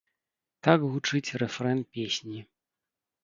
Так гучыць рэфрэн песні.